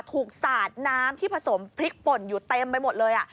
สาดน้ำที่ผสมพริกป่นอยู่เต็มไปหมดเลย